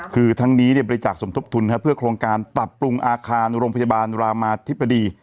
คือทั้งนี้บริจาคสมทบทุนเพื่อโครงการปรับปรุงอาคารโรงพยาบาลรามาธิบดี